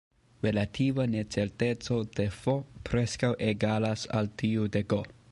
Relativa necerteco de "F" preskaŭ egalas al tiu de "G".